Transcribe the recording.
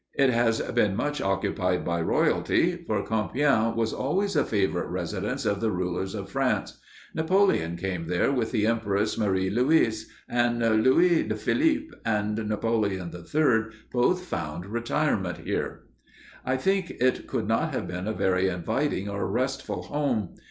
It has been much occupied by royalty, for Compiègne was always a favorite residence of the rulers of France. Napoleon came there with the Empress Marie Louise, and Louis Philippe and Napoleon III both found retirement there. I think it could not have been a very inviting or restful home.